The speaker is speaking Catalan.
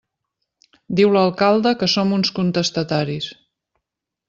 Diu l'alcalde que som uns contestataris.